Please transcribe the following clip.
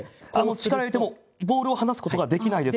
力入れてもボールを離すことができないです。